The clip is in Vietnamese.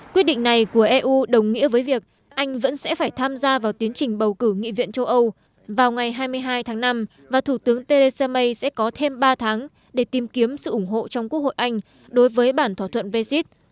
quyết định này của eu đồng nghĩa với việc anh vẫn sẽ phải tham gia vào tiến trình bầu cử nghị viện châu âu vào ngày hai mươi hai tháng năm và thủ tướng theresa may sẽ có thêm ba tháng để tìm kiếm sự ủng hộ trong quốc hội anh đối với bản thỏa thuận brexit